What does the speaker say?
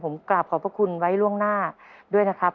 ผมกราบขอบพระคุณไว้ล่วงหน้าด้วยนะครับ